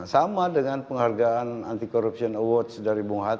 sama dengan penghargaan anti corruption awards dari bung hatta